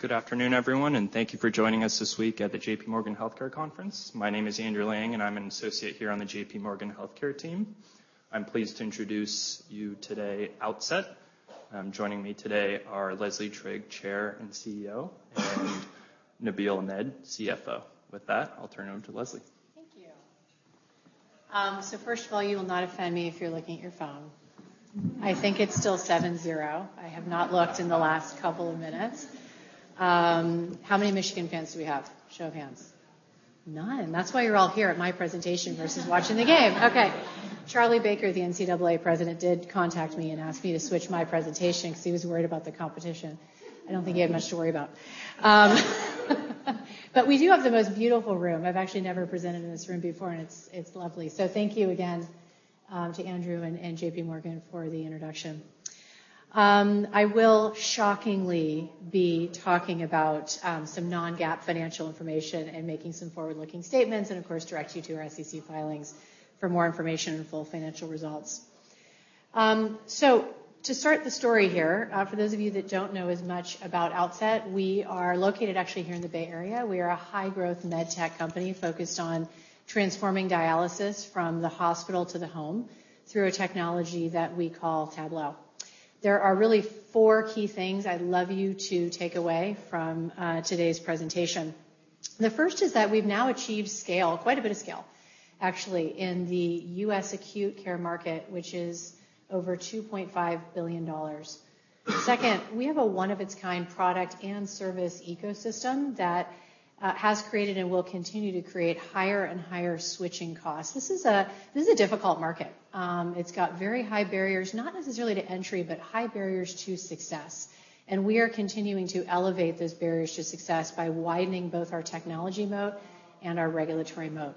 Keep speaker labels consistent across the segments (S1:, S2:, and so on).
S1: Good afternoon, everyone, and thank you for joining us this week at the JPMorgan Healthcare conference. My name is Andrew Lang, and I'm an Associate here on the JPMorgan Healthcare team. I'm pleased to introduce you today, Outset. Joining me today are Leslie Trigg, Chair and CEO, and Nabeel Ahmed, CFO. With that, I'll turn it over to Leslie.
S2: Thank you. So first of all, you will not offend me if you're looking at your phone. I think it's still 7-0. I have not looked in the last couple of minutes. How many Michigan fans do we have? Show of hands. None. That's why you're all here at my presentation versus watching the game. Okay. Charlie Baker, the NCAA President, did contact me and asked me to switch my presentation 'cause he was worried about the competition. I don't think he had much to worry about. But we do have the most beautiful room. I've actually never presented in this room before, and it's lovely. So thank you again to Andrew and JPMorgan for the introduction. I will shockingly be talking about some non-GAAP financial information and making some forward-looking statements and, of course, direct you to our SEC filings for more information and full financial results. So to start the story here, for those of you that don't know as much about Outset, we are located actually here in the Bay Area. We are a high-growth med tech company focused on transforming Dialysis from the hospital to the home through a technology that we call Tablo. There are really four key things I'd love you to take away from today's presentation. The first is that we've now achieved scale, quite a bit of scale, actually, in the U.S. acute care market, which is over $2.5 billion. Second, we have a one-of-a-kind product and service ecosystem that has created and will continue to create higher and higher switching costs. This is a difficult market. It's got very high barriers, not necessarily to entry, but high barriers to success, and we are continuing to elevate those barriers to success by widening both our technology moat and our regulatory moat.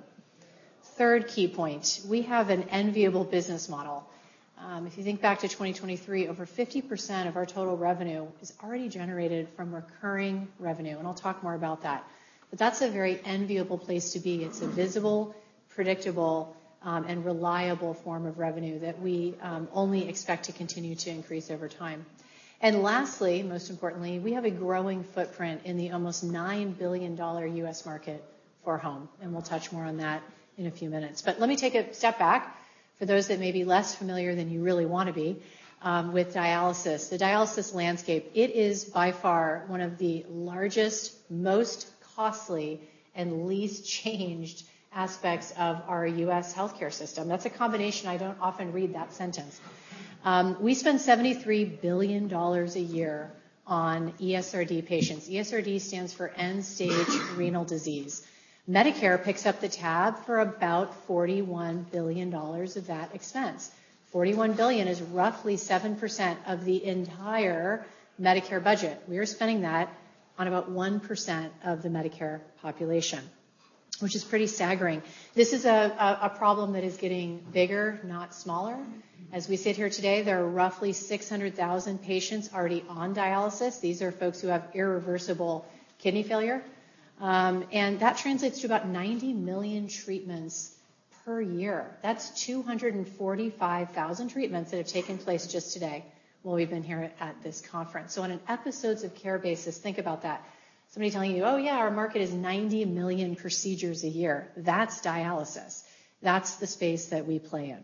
S2: Third key point, we have an enviable business model. If you think back to 2023, over 50% of our total revenue is already generated from recurring revenue, and I'll talk more about that. But that's a very enviable place to be. It's a visible, predictable, and reliable form of revenue that we only expect to continue to increase over time. And lastly, most importantly, we have a growing footprint in the almost $9 billion U.S. market for home, and we'll touch more on that in a few minutes. But let me take a step back for those that may be less familiar than you really want to be with Dialysis. The Dialysis landscape, it is by far one of the largest, most costly, and least changed aspects of our U.S. Healthcare system. That's a combination I don't often read that sentence. We spend $73 billion a year on ESRD patients. ESRD stands for end-stage renal disease. Medicare picks up the tab for about $41 billion of that expense. Forty-one billion is roughly 7% of the entire Medicare budget. We are spending that on about 1% of the Medicare population, which is pretty staggering. This is a problem that is getting bigger, not smaller. As we sit here today, there are roughly 600,000 patients already on Dialysis. These are folks who have irreversible kidney failure, and that translates to about 90 million treatments per year. That's 245,000 treatments that have taken place just today while we've been here at this conference. So on an episodes of care basis, think about that. Somebody telling you, "Oh, yeah, our market is 90 million procedures a year." That's Dialysis. That's the space that we play in.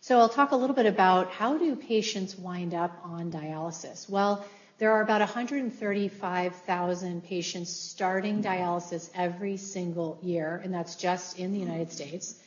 S2: So I'll talk a little bit about how do patients wind up on Dialysis? Well, there are about 135,000 patients starting Dialysis every single year, and that's just in the United States,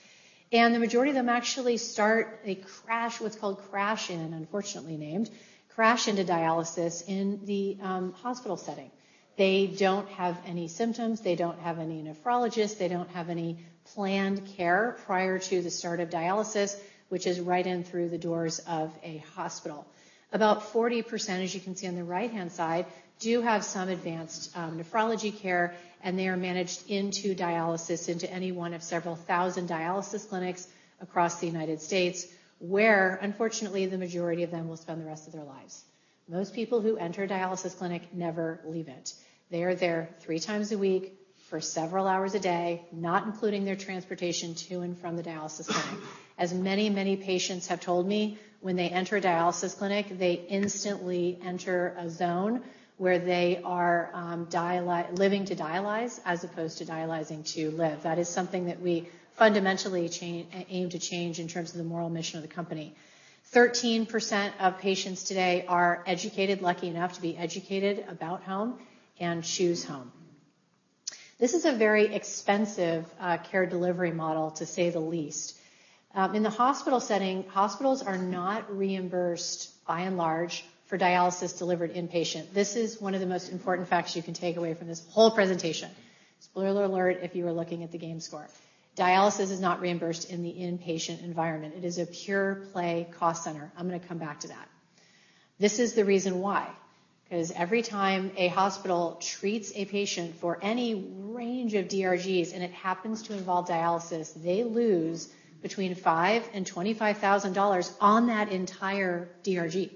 S2: and the majority of them actually start, they crash, what's called crash in, unfortunately named, crash into Dialysis in the Hospital setting. They don't have any symptoms. They don't have any Nephrologist. They don't have any planned care prior to the start of Dialysis, which is right in through the doors of a hospital. About 40%, as you can see on the right-hand side, do have some advanced nephrology care, and they are managed into Dialysis, into any one of several thousand Dialysis clinics across the United States, where, unfortunately, the majority of them will spend the rest of their lives. Most people who enter a Dialysis Clinic never leave it. They are there three times a week for several hours a day, not including their transportation to and from the Dialysis clinic. As many, many patients have told me, when they enter a Dialysis clinic, they instantly enter a zone where they are living to dialyze as opposed to dialyzing to live. That is something that we fundamentally aim to change in terms of the moral mission of the company. 13% of patients today are educated, lucky enough to be educated about home and choose home. This is a very expensive care delivery model, to say the least. In the hospital setting, hospitals are not reimbursed, by and large, for Dialysis delivered inpatient. This is one of the most important facts you can take away from this whole presentation. Spoiler alert if you were looking at the game score. Dialysis is not reimbursed in the inpatient environment. It is a pure play cost center. I'm gonna come back to that. This is the reason why. 'Cause every time a hospital treats a patient for any range of DRGs, and it happens to involve Dialysis, they lose between $5,000 and $25,000 on that entire DRG.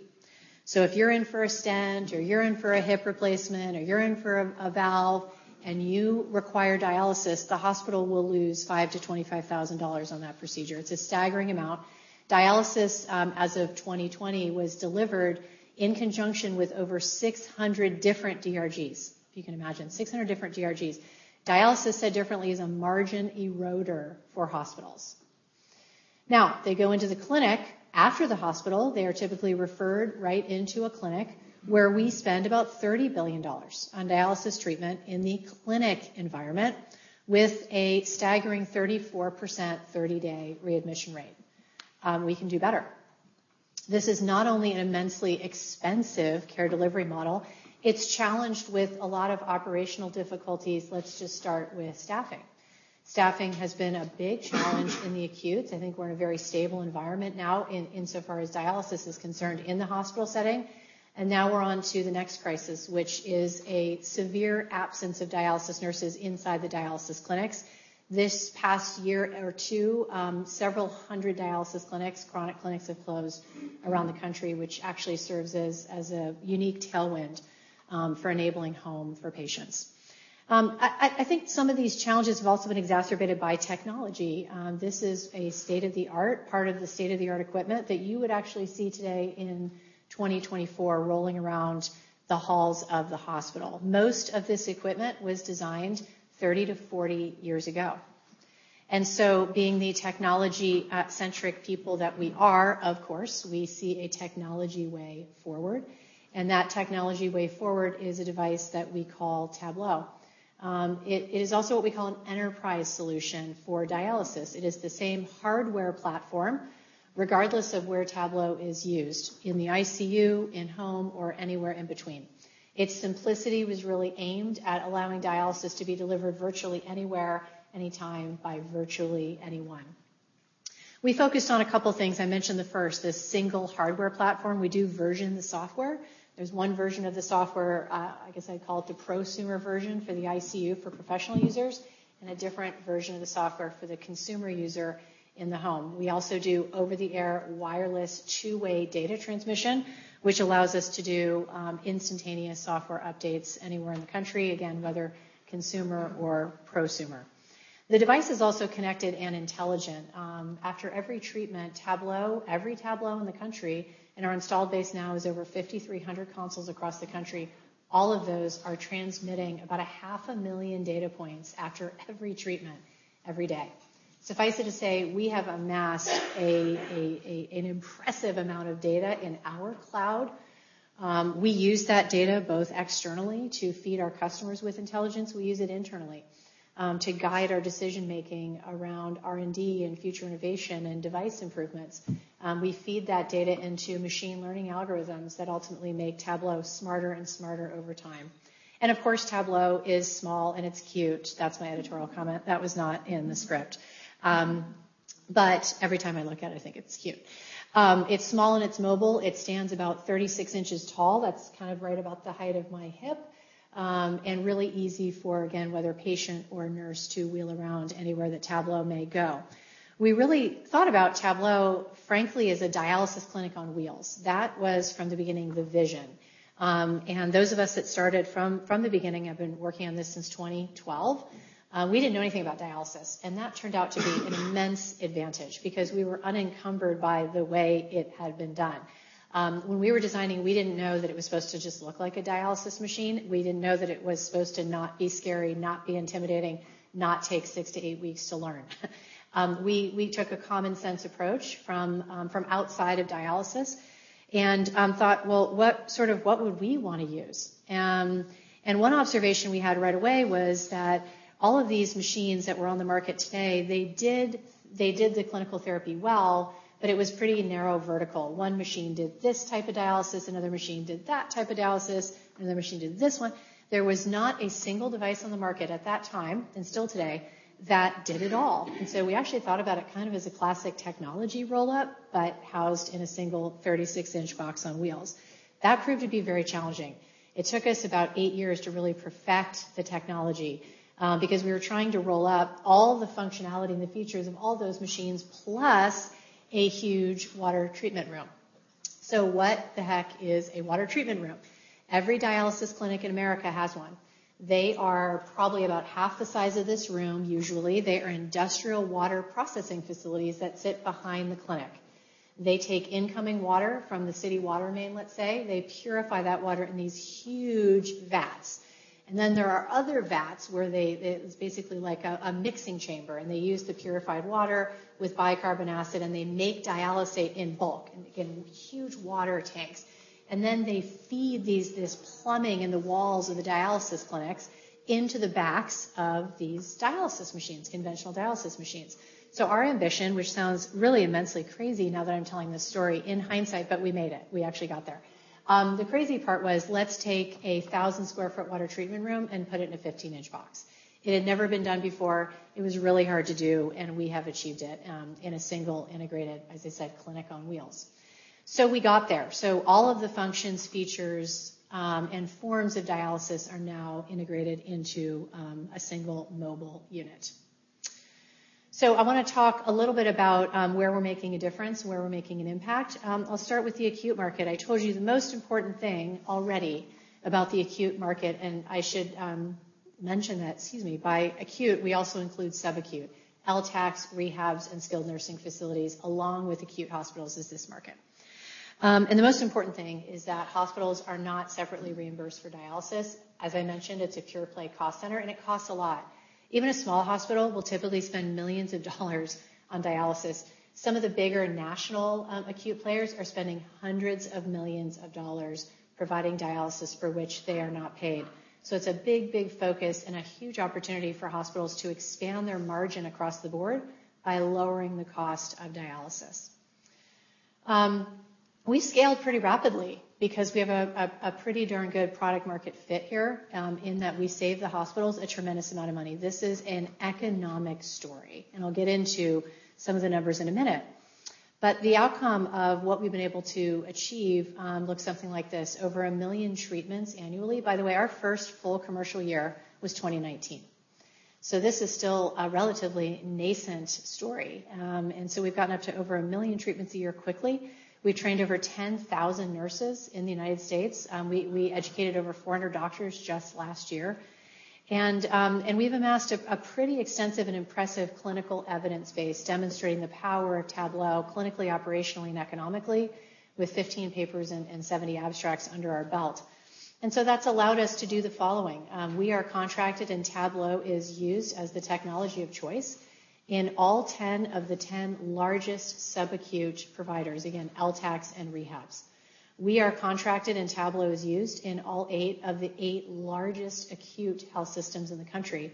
S2: So if you're in for a stent, or you're in for a hip replacement, or you're in for a valve and you require Dialysis, the hospital will lose $5,000-$25,000 on that procedure. It's a staggering amount. Dialysis, as of 2020, was delivered in conjunction with over 600 different DRGs. If you can imagine, 600 different DRGs. Dialysis, said differently, is a margin eroder for hospitals. Now, they go into the clinic. After the hospital, they are typically referred right into a clinic, where we spend about $30 billion on Dialysis treatment in the clinic environment, with a staggering 34% 30-day readmission rate. We can do better. This is not only an immensely expensive care delivery model, it's challenged with a lot of operational difficulties. Let's just start with staffing. Staffing has been a big challenge in the acutes. I think we're in a very stable environment now in, insofar as Dialysis is concerned in the hospital setting, and now we're on to the next crisis, which is a severe absence of Dialysis nurses inside the Dialysis Clinics. This past year or two, several hundred Dialysis Clinics, Chronic Clinics, have closed around the country, which actually serves as a unique tailwind for enabling home for patients. I think some of these challenges have also been exacerbated by technology. This is a state-of-the-art, part of the state-of-the-art equipment that you would actually see today in 2024, rolling around the halls of the hospital. Most of this equipment was designed 30-40 years ago. And so being the technology centric people that we are, of course, we see a technology way forward, and that technology way forward is a device that we call Tablo. It is also what we call an enterprise solution for Dialysis. It is the same hardware platform, regardless of where Tablo is used, in the ICU, in home, or anywhere in between. Its simplicity was really aimed at allowing Dialysis to be delivered virtually anywhere, anytime, by virtually anyone. We focused on a couple things. I mentioned the first, this single hardware platform. We do version the software. There's one version of the software, I guess I'd call it the prosumer version for the ICU, for professional users, and a different version of the software for the consumer user in the home. We also do over-the-air, wireless, two-way data transmission, which allows us to do instantaneous software updates anywhere in the country, again, whether consumer or prosumer. The device is also connected and intelligent. After every treatment, Tablo, every Tablo in the country, and our installed base now is over 5,300 consoles across the country, all of those are transmitting about 500,000 data points after every treatment, every day. Suffice it to say, we have amassed an impressive amount of data in our cloud. We use that data both externally to feed our customers with intelligence. We use it internally, to guide our decision-making around R&D and future innovation and device improvements. We feed that data into machine learning algorithms that ultimately make Tablo smarter and smarter over time. Of course, Tablo is small, and it's cute. That's my editorial comment. That was not in the script. Every time I look at it, I think it's cute. It's small, and it's mobile. It stands about 36 inches tall. That's kind of right about the height of my hip, and really easy for, again, whether patient or nurse, to wheel around anywhere that Tablo may go. We really thought about Tablo, frankly, as a Dialysis clinic on wheels. That was, from the beginning, the vision. And those of us that started from the beginning, I've been working on this since 2012, we didn't know anything about Dialysis, and that turned out to be an immense advantage because we were unencumbered by the way it had been done. When we were designing, we didn't know that it was supposed to just look like a Dialysis machine. We didn't know that it was supposed to not be scary, not be intimidating, not take 6-8 weeks to learn. We took a common-sense approach from outside of Dialysis and thought, "Well, what sort of what would we want to use?" And one observation we had right away was that all of these machines that were on the market today, they did the clinical therapy well, but it was pretty narrow vertical. One machine did this type of Dialysis, another machine did that type of Dialysis, another machine did this one. There was not a single device on the market at that time, and still today, that did it all. And so we actually thought about it kind of as a classic technology roll-up, but housed in a single 36-inch box on wheels. That proved to be very challenging. It took us about eight years to really perfect the technology, because we were trying to roll up all the functionality and the features of all those machines, plus a huge water treatment room. So what the heck is a water treatment room? Every Dialysis clinic in America has one. They are probably about half the size of this room, usually. They are industrial water processing facilities that sit behind the clinic. They take incoming water from the city water main, let's say. They purify that water in these huge vats, and then there are other vats where they it's basically like a mixing chamber, and they use the purified water with bicarbonate acid, and they make dialysate in bulk, in huge water tanks. And then they feed these, this plumbing in the walls of the Dialysis clinics into the backs of these Dialysis machines, conventional Dialysis machines. So our ambition, which sounds really immensely crazy now that I'm telling this story in hindsight, but we made it, we actually got there. The crazy part was, let's take a 1,000-square-foot water treatment room and put it in a 15-inch box. It had never been done before. It was really hard to do, and we have achieved it, in a single, integrated, as I said, clinic on wheels. So we got there. So all of the functions, features, and forms of Dialysis are now integrated into a single mobile unit. So I want to talk a little bit about where we're making a difference and where we're making an impact. I'll start with the acute market. I told you the most important thing already about the acute market, and I should mention that, excuse me, by acute, we also include sub-acute. LTACs, rehabs, and skilled nursing facilities, along with acute hospitals, is this market. And the most important thing is that hospitals are not separately reimbursed for Dialysis. As I mentioned, it's a pure play cost center, and it costs a lot. Even a small hospital will typically spend millions of dollars on Dialysis. Some of the bigger national, Acute players are spending $hundreds of millions providing Dialysis for which they are not paid. So it's a big, big focus and a huge opportunity for hospitals to expand their margin across the board by lowering the cost of Dialysis. We scaled pretty rapidly because we have a pretty darn good product market fit here, in that we save the hospitals a tremendous amount of money. This is an Economic story, and I'll get into some of the numbers in a minute. But the outcome of what we've been able to achieve looks something like this. Over 1 million treatments annually. By the way, our first full commercial year was 2019. So this is still a relatively nascent story. And so we've gotten up to over 1 million treatments a year quickly. We've trained over 10,000 nurses in the United States. We educated over 400 doctors just last year. And we've amassed a pretty extensive and impressive clinical evidence base demonstrating the power of Tablo clinically, operationally, and economically, with 15 papers and 70 abstracts under our belt. And so that's allowed us to do the following: We are contracted, and Tablo is used as the technology of choice in all 10 of the 10 largest sub-acute providers, again, LTACs and rehabs. We are contracted, and Tablo is used in all 8 of the 8 largest acute health systems in the country.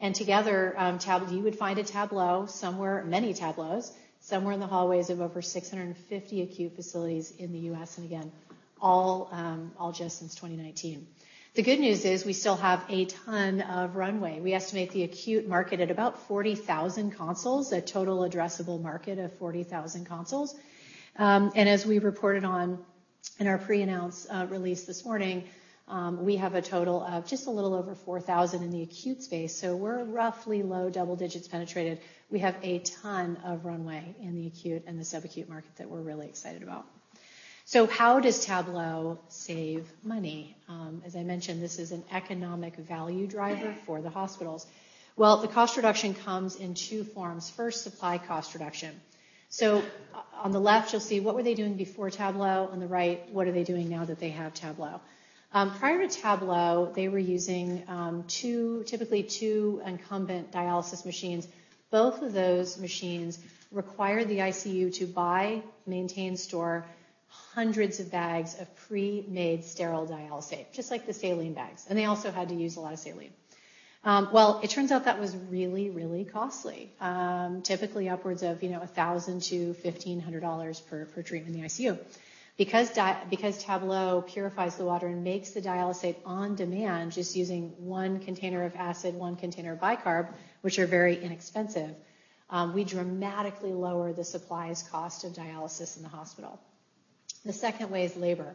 S2: And together, Tablo, you would find a Tablo somewhere, many Tablos, somewhere in the hallways of over 650 acute facilities in the U.S., and again, all just since 2019. The good news is we still have a ton of runway. We estimate the acute market at about 40,000 consoles, a total addressable market of 40,000 consoles. And as we reported on in our pre-announce release this morning, we have a total of just a little over 4,000 in the Acute space, so we're roughly low double digits penetrated. We have a ton of runway in the acute and the sub-acute market that we're really excited about. So how does Tablo save money? As I mentioned, this is an economic value driver for the hospitals. Well, the cost reduction comes in two forms. First, supply cost reduction. So on the left, you'll see what were they doing before Tablo, on the right, what are they doing now that they have Tablo? Prior to Tablo, they were using two, typically two incumbent Dialysis machines. Both of those machines require the ICU to buy, maintain, store hundreds of bags of pre-made sterile dialysate, just like the saline bags, and they also had to use a lot of saline. Well, it turns out that was really, really costly, typically upwards of, you know, $1,000-$1,500 per treatment in the ICU. Because Tablo purifies the water and makes the dialysate on demand, just using one container of acid, one container of bicarb, which are very inexpensive, we dramatically lower the supplies cost of Dialysis in the hospital. The second way is labor.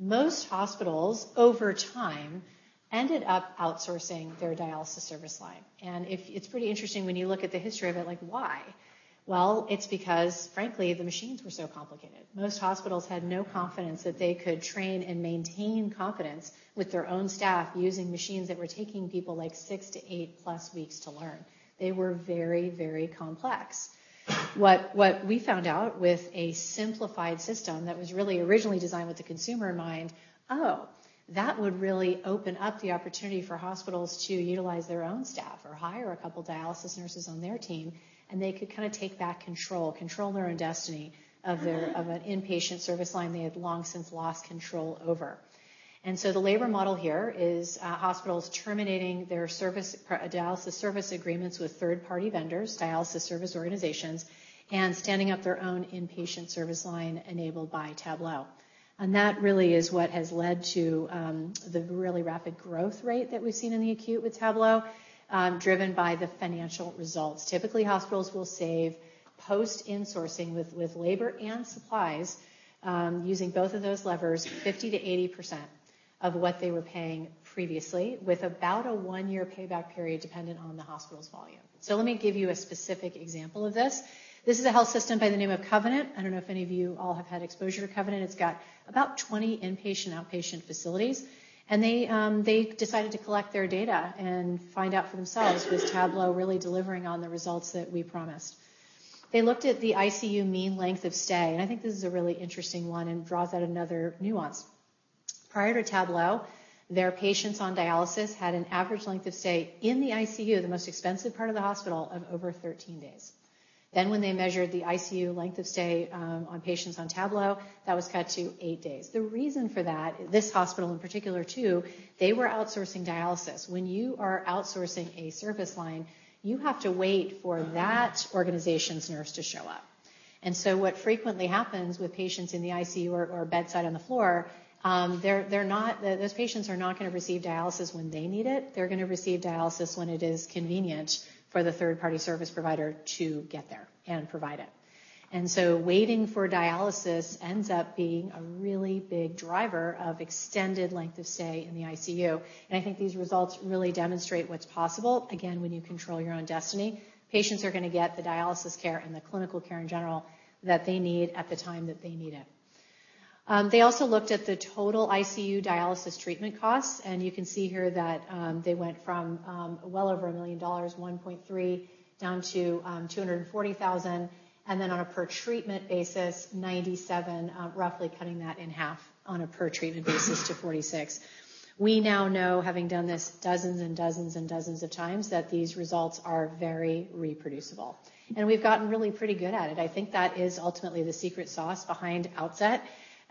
S2: Most Hospitals, over time, ended up outsourcing their Dialysis service line. It's pretty interesting when you look at the history of it, like why? Well, it's because, frankly, the machines were so complicated. Most hospitals had no confidence that they could train and maintain confidence with their own staff using machines that were taking people, like, 6-8+ weeks to learn. They were very, very complex. What we found out with a simplified system that was really originally designed with the consumer in mind, oh, that would really open up the opportunity for hospitals to utilize their own staff or hire a couple Dialysis Nurses on their Team, and they could kind of take back control, control their own destiny of their, of an inpatient service line they had long since lost control over. And so the labor model here is, hospitals terminating their service, Dialysis service agreements with third-party vendors, Dialysis service organizations, and standing up their own inpatient service line enabled by Tablo. That really is what has led to the really rapid growth rate that we've seen in the acute with Tablo, driven by the financial results. Typically, hospitals will save post-insourcing with labor and supplies, using both of those levers, 50%-80% of what they were paying previously, with about a one-year payback period dependent on the hospital's volume. Let me give you a specific example of this. This is a health system by the name of Covenant. I don't know if any of you all have had exposure to Covenant. It's got about 20 inpatient/outpatient facilities, and they decided to collect their data and find out for themselves, was Tablo really delivering on the results that we promised? They looked at the ICU mean length of stay, and I think this is a really interesting one and draws out another nuance. Prior to Tablo, their patients on Dialysis had an average length of stay in the ICU, the most expensive part of the hospital, of over 13 days. Then, when they measured the ICU length of stay on patients on Tablo, that was cut to eight days. The reason for that, this hospital in particular, too, they were outsourcing Dialysis. When you are outsourcing a service line, you have to wait for that organization's nurse to show up. And so what frequently happens with patients in the ICU or bedside on the floor, they're not. Those patients are not gonna receive Dialysis when they need it. They're gonna receive Dialysis when it is convenient for the third-party service provider to get there and provide it. And so waiting for Dialysis ends up being a really big driver of extended length of stay in the ICU. And I think these results really demonstrate what's possible. Again, when you control your own destiny, patients are gonna get the Dialysis care and the clinical care in general that they need at the time that they need it. They also looked at the total ICU Dialysis treatment costs, and you can see here that they went from well over $1 million, $1.3 million, down to $240,000, and then on a per treatment basis, $97, roughly cutting that in half on a per treatment basis to $46. We now know, having done this dozens and dozens and dozens of times, that these results are very reproducible, and we've gotten really pretty good at it. I think that is ultimately the secret sauce behind Outset.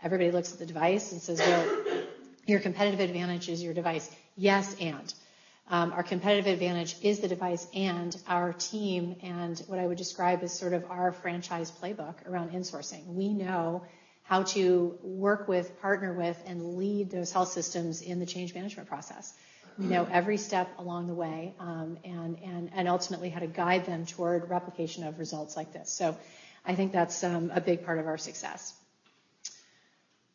S2: Everybody looks at the device and says, "Well, your competitive advantage is your device." Yes, and our competitive advantage is the device and our team, and what I would describe as sort of our franchise playbook around insourcing. We know how to work with, partner with, and lead those health systems in the change management process. We know every step along the way, and ultimately how to guide them toward replication of results like this. So I think that's a big part of our success.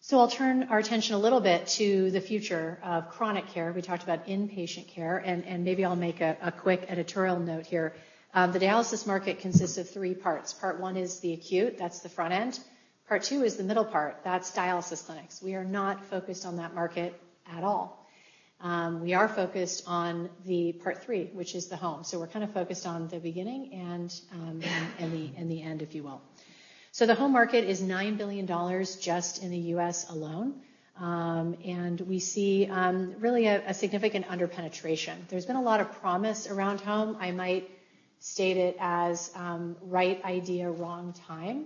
S2: So I'll turn our attention a little bit to the future of chronic care. We talked about inpatient care, and maybe I'll make a quick editorial note here. The Dialysis market consists of three parts. Part one is the acute. That's the front end. Part two is the middle part. That's Dialysis Clinics. We are not focused on that market at all. We are focused on part three, which is the home. So we're kind of focused on the beginning and the end, if you will. So the home market is $9 billion just in the US alone, and we see really a significant under-penetration. There's been a lot of promise around home. I might state it as right idea, wrong time.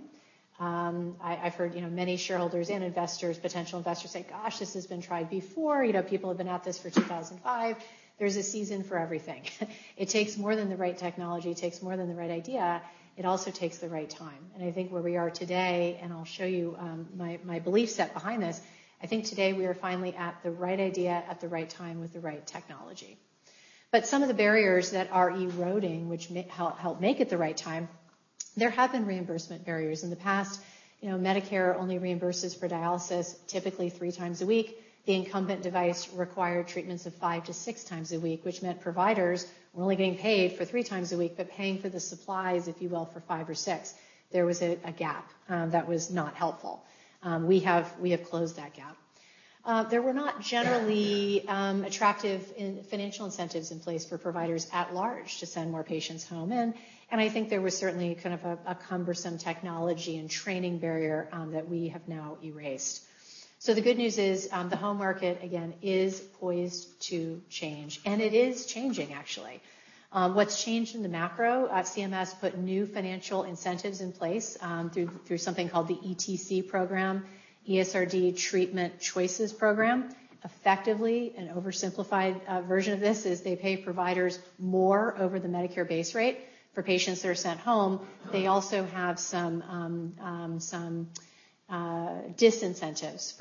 S2: I've heard, you know, many Shareholders and investors, potential investors say, "Gosh, this has been tried before. You know, people have been at this for 2005. There's a season for everything. It takes more than the right technology, it takes more than the right idea, it also takes the right time. And I think where we are today, and I'll show you, my belief set behind this, I think today we are finally at the right idea, at the right time, with the right technology. But some of the barriers that are eroding, which may help make it the right time, there have been reimbursement barriers. In the past, you know, Medicare only reimburses for Dialysis, typically three times a week. The incumbent device required treatments of five to six times a week, which meant providers were only getting paid for three times a week, but paying for the supplies, if you will, for five or six. There was a gap that was not helpful. We have closed that gap. There were not generally attractive financial incentives in place for providers at large to send more patients home, and I think there was certainly kind of a cumbersome technology and training barrier that we have now erased. So the good news is, the home market, again, is poised to change, and it is changing, actually. What's changed in the macro, CMS put new financial incentives in place through something called the ETC program, ESRD Treatment Choices Program. Effectively, an oversimplified version of this is they pay providers more over the Medicare base rate for patients that are sent home. They also have some disincentives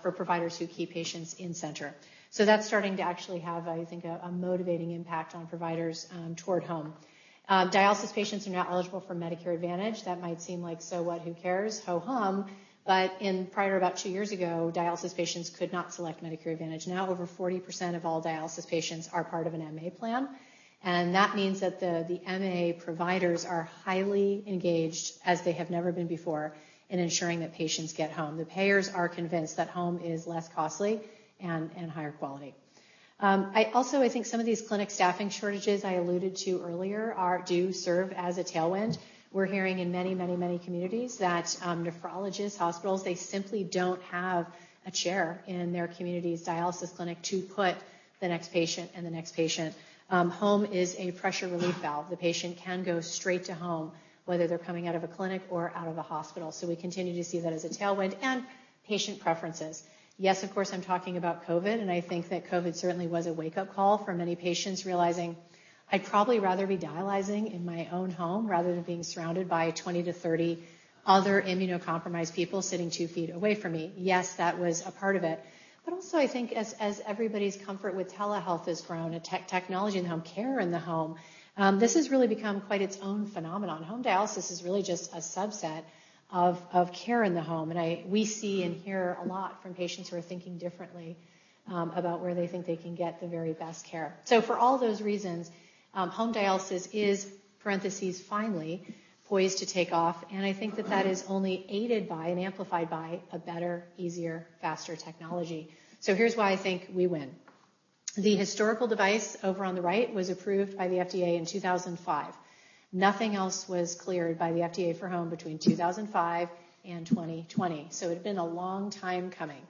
S2: for providers who keep patients in-center. So that's starting to actually have, I think, a motivating impact on providers, toward home. Dialysis patients are now eligible for Medicare Advantage. That might seem like, so what? Who cares? Ho-hum. But prior to about two years ago, Dialysis patients could not select Medicare Advantage. Now, over 40% of all Dialysis patients are part of an MA plan, and that means that the MA providers are highly engaged, as they have never been before, in ensuring that patients get home. The payers are convinced that home is less costly and higher quality. I also think some of these clinic staffing shortages I alluded to earlier do serve as a tailwind. We're hearing in many, many, many communities that, nephrologists, hospitals, they simply don't have a chair in their community's Dialysis clinic to put the next patient and the next patient. Home is a pressure relief valve. The patient can go straight to home, whether they're coming out of a clinic or out of a hospital. So we continue to see that as a tailwind and patient preferences. Yes, of course, I'm talking about COVID, and I think that COVID certainly was a wake-up call for many patients, realizing, "I'd probably rather be dialyzing in my own home rather than being surrounded by 20-30 other immunocompromised people sitting two feet away from me." Yes, that was a part of it, but also I think as everybody's comfort with telehealth has grown, and technology and home care in the home, this has really become quite its own phenomenon. Home Dialysis is really just a subset of care in the home, and we see and hear a lot from patients who are thinking differently about where they think they can get the very best care. So for all those reasons, home Dialysis is (finally) poised to take off, and I think that that is only aided by and amplified by a better, easier, faster technology. So here's why I think we win. The historical device over on the right was approved by the FDA in 2005. Nothing else was cleared by the FDA for home between 2005 and 2020. So it had been a long time coming.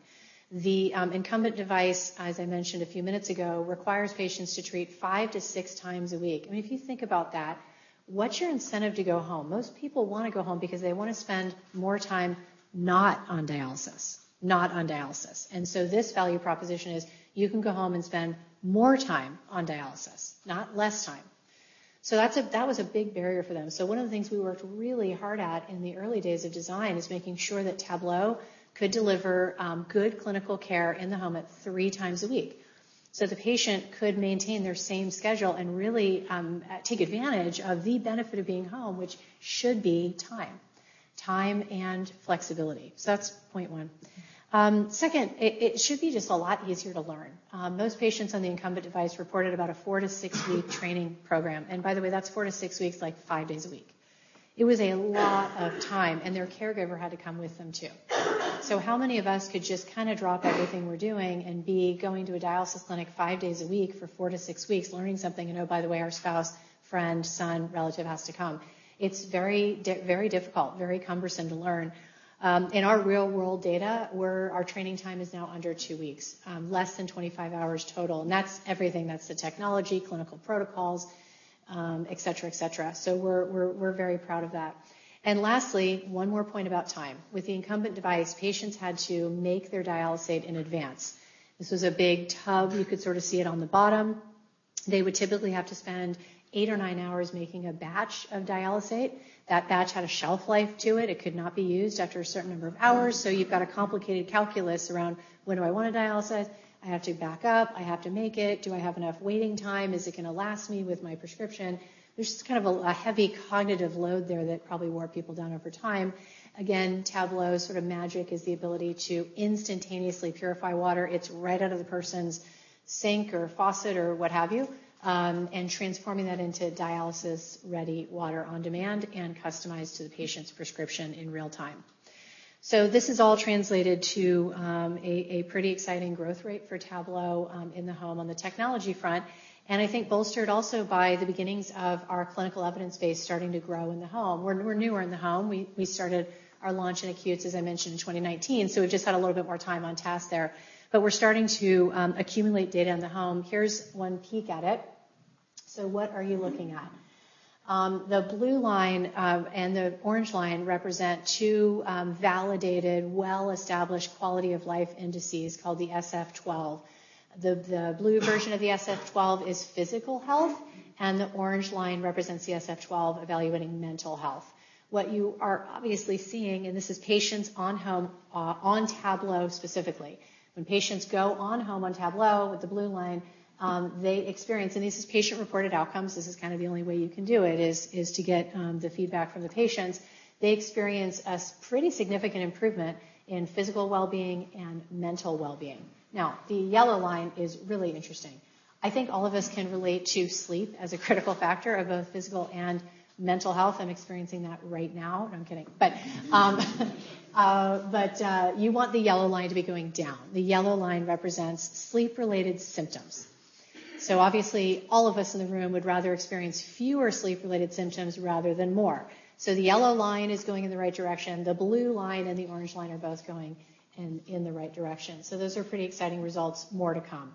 S2: The incumbent device, as I mentioned a few minutes ago, requires patients to treat 5x-6x a week. I mean, if you think about that, what's your incentive to go home? Most people wanna go home because they wanna spend more time not on Dialysis, not on Dialysis. This value proposition is: You can go home and spend more time on Dialysis, not less time. So that was a big barrier for them. So one of the things we worked really hard at in the early days of design is making sure that Tablo could deliver good clinical care in the home at 3x a week, so the patient could maintain their same schedule and really take advantage of the benefit of being home, which should be time. Time and flexibility. So that's point one. Second, it should be just a lot easier to learn. Most patients on the incumbent device reported about a 4- to 6-week training program. And by the way, that's 4-6 weeks, like, five days a week. It was a lot of time, and their caregiver had to come with them, too. So how many of us could just kinda drop everything we're doing and be going to a Dialysis clinic five days a week for 4-6 weeks, learning something, and oh, by the way, our spouse, friend, son, relative has to come? It's very difficult, very cumbersome to learn. In our real-world data, our training time is now under 2 weeks, less than 25 hours total, and that's everything. That's the technology, clinical protocols, et cetera, et cetera. So we're very proud of that. And lastly, one more point about time. With the incumbent device, patients had to make their dialysate in advance. This was a big tub. You could sort of see it on the bottom. They would typically have to spend eight or nine hours making a batch of dialysate. That batch had a shelf life to it. It could not be used after a certain number of hours. So you've got a complicated calculus around: When do I want a Dialysis? I have to back up. I have to make it. Do I have enough waiting time? Is it gonna last me with my prescription? There's just kind of a heavy cognitive load there that probably wore people down over time. Again, Tablo's sort of magic is the ability to instantaneously purify water. It's right out of the person's sink or faucet or what have you, and transforming that into Dialysis-ready water on demand and customized to the patient's prescription in real time. So this has all translated to a pretty exciting growth rate for Tablo in the home on the technology front, and I think bolstered also by the beginnings of our clinical evidence base starting to grow in the home. We're newer in the home. We started our launch in acutes, as I mentioned, in 2019, so we've just had a little bit more time on task there. But we're starting to accumulate data in the home. Here's one peek at it. So what are you looking at? The blue line and the orange line represent two validated, well-established quality of life indices called the SF-12. The blue version of the SF-12 is physical health, and the orange line represents the SF-12 evaluating mental health. What you are obviously seeing, and this is patients on home on Tablo specifically. When patients go on home on Tablo with the blue line, they experience... This is patient-reported outcomes. This is kind of the only way you can do it, is to get the feedback from the patients. They experience pretty significant improvement in physical well-being and mental well-being. Now, the yellow line is really interesting. I think all of us can relate to sleep as a critical factor of both physical and mental health. I'm experiencing that right now. No, I'm kidding. But you want the yellow line to be going down. The yellow line represents sleep-related symptoms. So obviously, all of us in the room would rather experience fewer sleep-related symptoms rather than more. So the yellow line is going in the right direction. The blue line and the orange line are both going in the right direction. So those are pretty exciting results. More to come.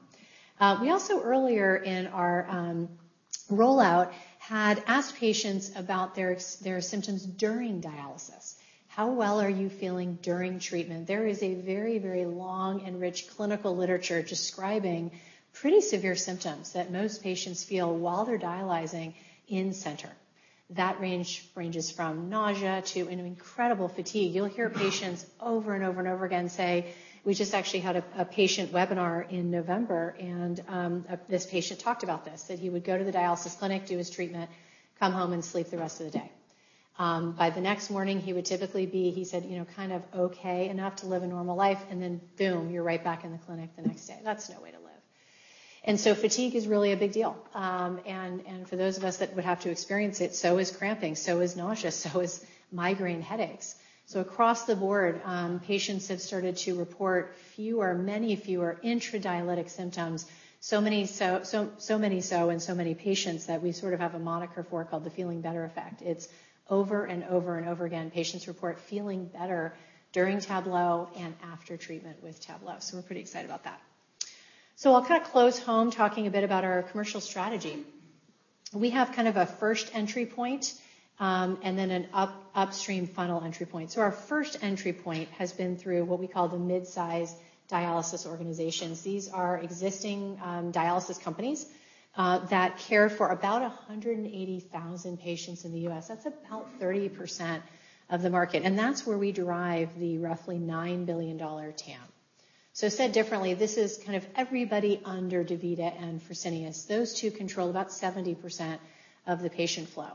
S2: We also, earlier in our rollout, had asked patients about their symptoms during Dialysis. How well are you feeling during treatment? There is a very, very long and rich clinical literature describing pretty severe symptoms that most patients feel while they're dialyzing in-center. That ranges from nausea to an incredible fatigue. You'll hear patients over and over and over again say. We just actually had a patient webinar in November, and this patient talked about this, that he would go to the Dialysis clinic, do his treatment, come home, and sleep the rest of the day. By the next morning, he would typically be, he said, you know, kind of okay enough to live a normal life, and then boom, you're right back in the clinic the next day. That's no way to live. And so fatigue is really a big deal. And for those of us that would have to experience it, so is cramping, so is nausea, so is migraine headaches. So across the board, patients have started to report fewer, many fewer intradialytic symptoms. So many so, so, so many so in so many patients that we sort of have a moniker for it called the feeling better effect. It's over and over and over again, patients report feeling better during Tablo and after treatment with Tablo. So we're pretty excited about that. So I'll kind of close home talking a bit about our commercial strategy. We have kind of a first entry point, and then an upstream funnel entry point. So our first entry point has been through what we call the mid-size Dialysis organizations. These are existing, Dialysis Companies, that care for about 180,000 patients in the U.S. That's about 30% of the market, and that's where we derive the roughly $9 billion TAM. So said differently, this is kind of everybody under DaVita and Fresenius. Those two control about 70% of the patient flow.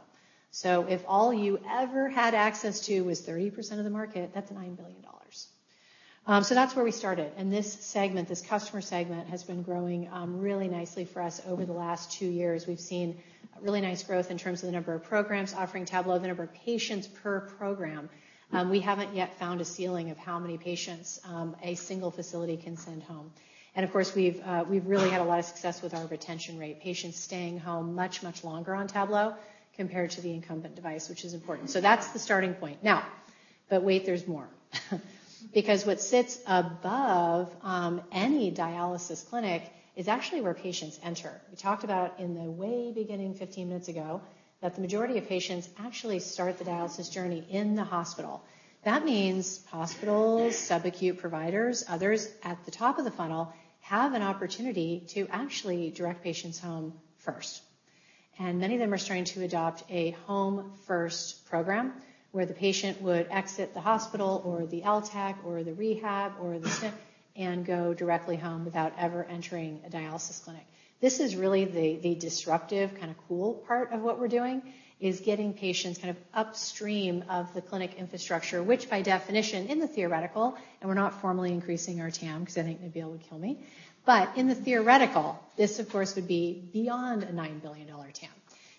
S2: So if all you ever had access to was 30% of the market, that's $9 billion. So that's where we started, and this segment, this customer segment, has been growing really nicely for us over the last two years. We've seen really nice growth in terms of the number of programs offering Tablo, the number of patients per program. We haven't yet found a ceiling of how many patients a single facility can send home. And of course, we've really had a lot of success with our retention rate, patients staying home much, much longer on Tablo compared to the incumbent device, which is important. So that's the starting point. Now, but wait, there's more. Because what sits above any Dialysis clinic is actually where patients enter. We talked about in the very beginning, 15 minutes ago, that the majority of patients actually start the Dialysis journey in the hospital. That means hospitals, subacute providers, others at the top of the funnel have an opportunity to actually direct patients home first... and many of them are starting to adopt a home-first program, where the patient would exit the Hospital or the LTAC or the rehab or the SNF and go directly home without ever entering a Dialysis clinic. This is really the disruptive, kind of cool part of what we're doing, is getting patients kind of upstream of the clinic infrastructure, which by definition, in the theoretical, and we're not formally increasing our TAM because I think Nabeel would kill me. But in the theoretical, this of course, would be beyond a $9 billion TAM,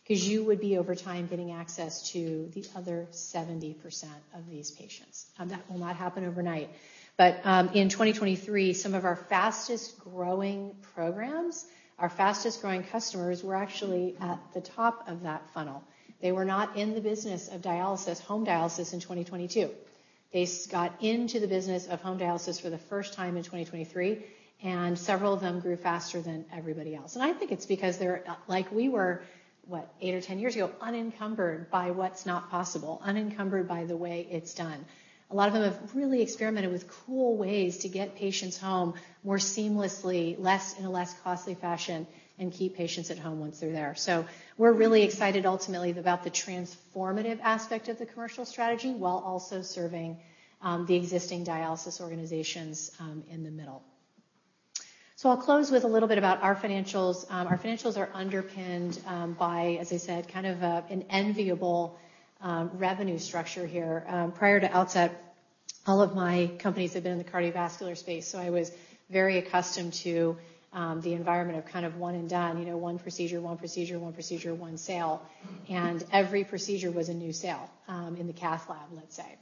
S2: 'cause you would be over time getting access to the other 70% of these patients. That will not happen overnight. But, in 2023, some of our fastest growing programs, our fastest growing customers, were actually at the top of that funnel. They were not in the business of Dialysis, home Dialysis in 2022. They got into the business of home Dialysis for the first time in 2023, and several of them grew faster than everybody else. And I think it's because they're, like we were, what? 8 or 10 years ago, unencumbered by what's not possible, unencumbered by the way it's done. A lot of them have really experimented with cool ways to get patients home more seamlessly, less in a less costly fashion, and keep patients at home once they're there. So we're really excited ultimately about the transformative aspect of the commercial strategy, while also serving the existing Dialysis organizations in the middle. So I'll close with a little bit about our financials. Our financials are underpinned by, as I said, kind of an enviable revenue structure here. Prior to Outset, all of my companies had been in the cardiovascular space, so I was very accustomed to the environment of kind of one and done, you know, one procedure, one procedure, one procedure, one sale, and every procedure was a new sale in the cath lab, let's say.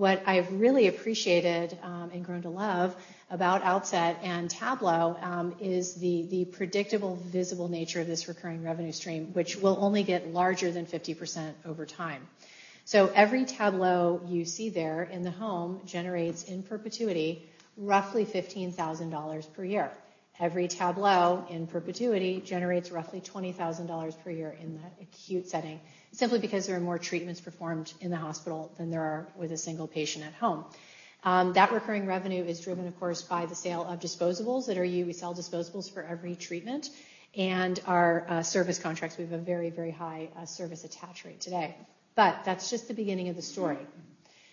S2: What I've really appreciated and grown to love about Outset and Tablo is the predictable, visible nature of this recurring revenue stream, which will only get larger than 50% over time. So every Tablo you see there in the home generates, in perpetuity, roughly $15,000 per year. Every Tablo, in perpetuity, generates roughly $20,000 per year in the acute setting, simply because there are more treatments performed in the hospital than there are with a single patient at home. That recurring revenue is driven, of course, by the sale of disposables that are we sell disposables for every treatment and our service contracts. We have a very, very high service attach rate today. But that's just the beginning of the story.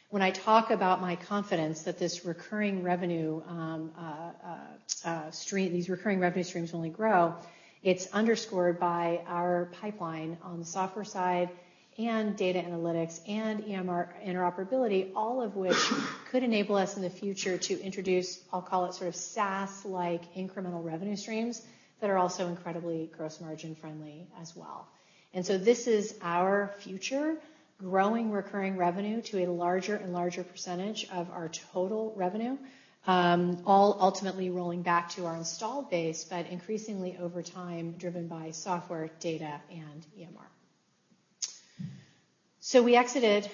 S2: When I talk about my confidence that this recurring revenue stream, these recurring revenue streams will only grow, it's underscored by our pipeline on the software side and data analytics and EMR interoperability, all of which could enable us in the future to introduce, I'll call it sort of SaaS-like incremental revenue streams, that are also incredibly gross margin friendly as well. And so this is our future, growing recurring revenue to a larger and larger percentage of our total revenue, all ultimately rolling back to our installed base, but increasingly over time, driven by software, data, and EMR. So we exited,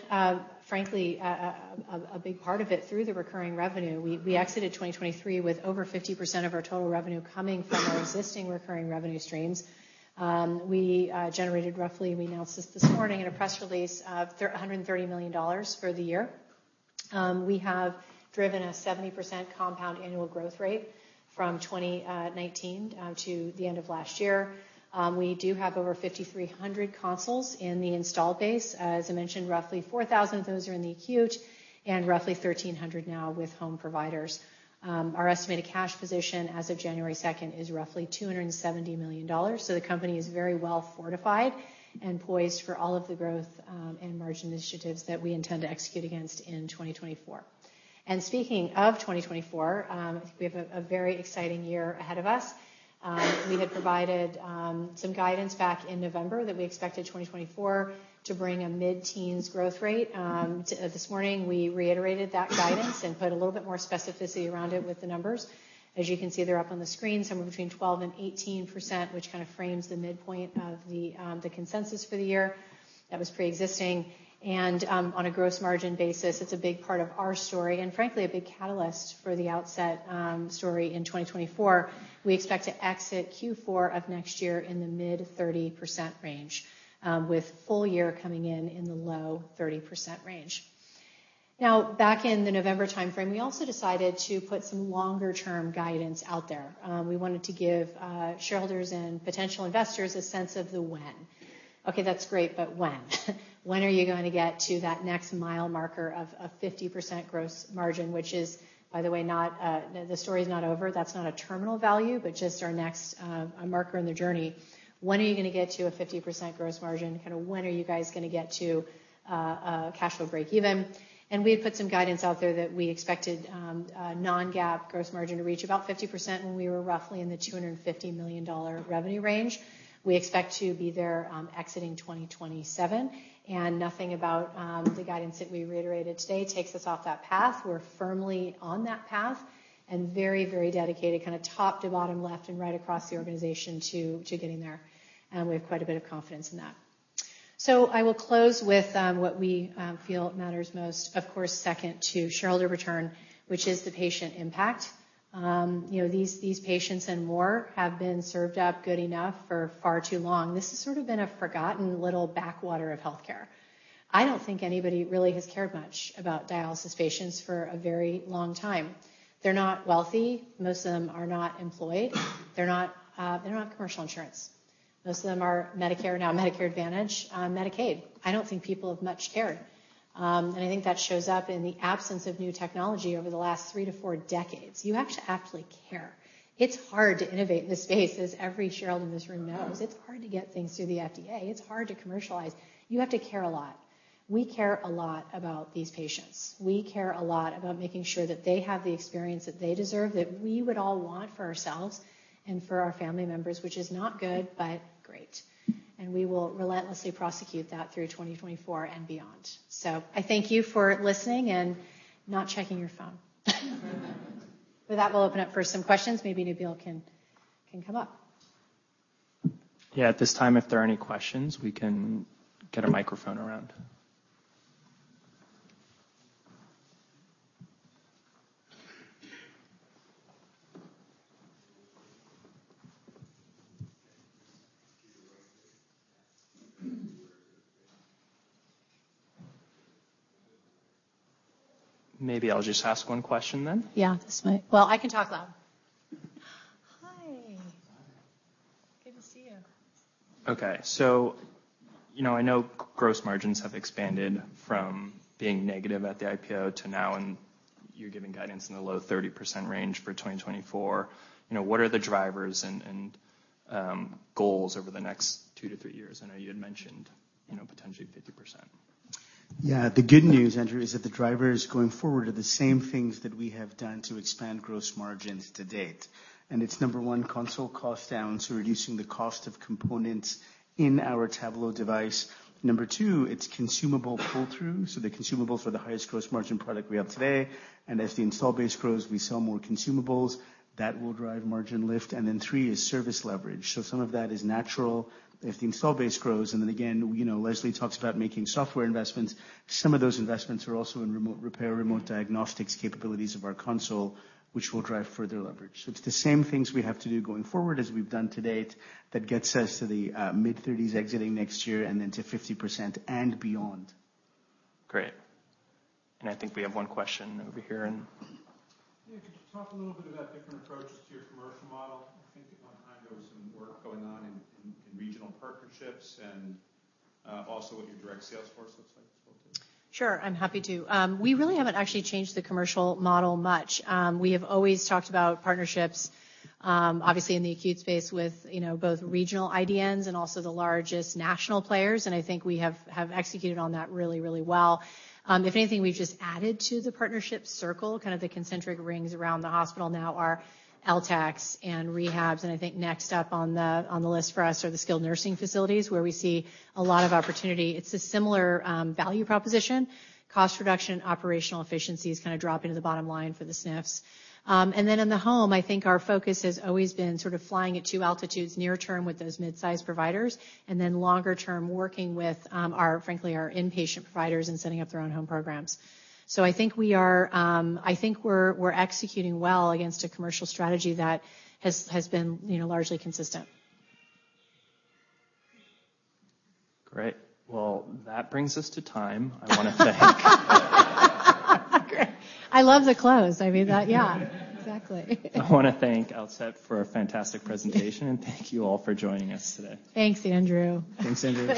S2: frankly, a big part of it through the recurring revenue. We exited 2023 with over 50% of our total revenue coming from our existing recurring revenue streams. We generated roughly, we announced this this morning in a press release of $130 million for the year. We have driven a 70% compound annual growth rate from 2019 to the end of last year. We do have over 5,300 consoles in the installed base. As I mentioned, roughly 4,000 of those are in the acute, and roughly 1,300 now with home providers. Our estimated cash position as of January second is roughly $270 million. So the company is very well fortified and poised for all of the growth and margin initiatives that we intend to execute against in 2024. Speaking of 2024, I think we have a very exciting year ahead of us. We had provided some guidance back in November that we expected 2024 to bring a mid-teens growth rate. This morning, we reiterated that guidance and put a little bit more specificity around it with the numbers. As you can see, they're up on the screen, somewhere between 12% and 18%, which kind of frames the midpoint of the consensus for the year. That was preexisting, and on a gross margin basis, it's a big part of our story, and frankly, a big catalyst for the Outset story in 2024. We expect to exit Q4 of next year in the mid-30% range, with full year coming in in the low 30% range. Now, back in the November timeframe, we also decided to put some longer-term guidance out there. We wanted to give Shareholders and potential investors a sense of the when. "Okay, that's great, but when? When are you going to get to that next mile marker of a 50% gross margin?" Which is, by the way, not the story is not over. That's not a terminal value, but just our next, a marker in the journey. "When are you gonna get to a 50% gross margin? Kind of when are you guys gonna get to, a cash flow breakeven?" And we had put some guidance out there that we expected, a Non-GAAP gross margin to reach about 50% when we were roughly in the $250 million revenue range. We expect to be there, exiting 2027, and nothing about, the guidance that we reiterated today takes us off that path. We're firmly on that path and very, very dedicated, kind of top to bottom, left and right across the organization to, to getting there, and we have quite a bit of confidence in that. So I will close with, what we, feel matters most, of course, second to Shareholder return, which is the patient impact. You know, these patients and more have been served up good enough for far too long. This has sort of been a forgotten little backwater of healthcare. I don't think anybody really has cared much about Dialysis patients for a very long time. They're not wealthy. Most of them are not employed. They're not, they're not commercial insurance. Most of them are Medicare, now Medicare Advantage, Medicaid. I don't think people have much cared. And I think that shows up in the absence of new technology over the last three to four decades. You have to actually care. It's hard to innovate in this space, as every Shareholder in this room knows. It's hard to get things through the FDA. It's hard to commercialize. You have to care a lot. We care a lot about these patients. We care a lot about making sure that they have the experience that they deserve, that we would all want for ourselves and for our family members, which is not good, but great. And we will relentlessly prosecute that through 2024 and beyond. I thank you for listening and not checking your phone. With that, we'll open up for some questions. Maybe Nabeel can come up.
S1: Yeah, at this time, if there are any questions, we can get a microphone around. Maybe I'll just ask one question then.
S2: Well, I can talk loud. Hi! Good to see you.
S1: Okay, so, you know, I know gross margins have expanded from being negative at the IPO to now, and you're giving guidance in the low 30% range for 2024. You know, what are the drivers and goals over the next two to three years? I know you had mentioned, you know, potentially 50%.
S3: Yeah, the good news, Andrew, is that the drivers going forward are the same things that we have done to expand gross margins to date. And it's number one, console cost down, so reducing the cost of components in our Tablo device. Number two, it's consumable pull-through, so the consumables are the highest gross margin product we have today, and as the install base grows, we sell more consumables. That will drive margin lift. And then three is service leverage. So some of that is natural. If the install base grows, and then again, you know, Leslie talks about making software investments, some of those investments are also in remote repair, remote diagnostics, capabilities of our console, which will drive further leverage. So it's the same things we have to do going forward as we've done to date that gets us to the mid-30s exiting next year and then to 50% and beyond.
S1: Great. And I think we have one question over here, and. Yeah, could you talk a little bit about different approaches to your commercial model? I think at one time there was some work going on in regional partnerships and also what your direct sales force looks like today.
S2: Sure, I'm happy to. We really haven't actually changed the commercial model much. We have always talked about partnerships, obviously in the acute space with, you know, both regional IDNs and also the largest national players, and I think we have, have executed on that really, really well. If anything, we've just added to the partnership circle, kind of the concentric rings around the hospital now are LTACs and rehabs, and I think next up on the, on the list for us are the skilled nursing facilities, where we see a lot of opportunity. It's a similar, value proposition, cost reduction, operational efficiencies kind a dropping to the bottom line for the SNFs. And then in the home, I think our focus has always been sort of flying at two altitudes: near term with those mid-sized providers, and then longer term, working with our frankly, our inpatient providers and setting up their own home programs. So I think we are. I think we're executing well against a commercial strategy that has been, you know, largely consistent.
S1: Great. Well, that brings us to time. I want to thank-
S2: Great. I love the close. I mean, that. Yeah, exactly.
S1: I want to thank Leslie for a fantastic presentation, and thank you all for joining us today.
S2: Thanks, Andrew.
S1: Thanks, Andrew.